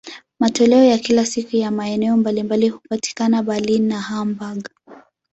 Matoleo ya kila siku ya maeneo mbalimbali hupatikana Berlin na Hamburg.